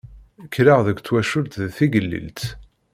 Kkreɣ deg twacult d tigellilt.